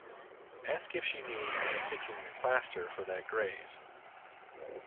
Ask if she needs a sticking plaster for that graze.